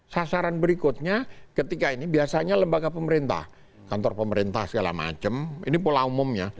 sasaran berikutnya ketika ini biasanya lembaga pemerintah kantor pemerintah segala macam ini pola umumnya